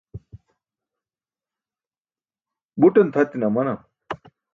buṭan tʰatine amanam